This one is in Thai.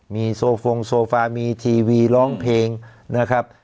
มีโซฟงโซฟามีทีวีร้องเพลงนะครับ